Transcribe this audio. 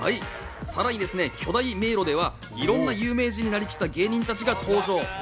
さらに巨大迷路ではいろんな有名人になりきった芸人たちが登場。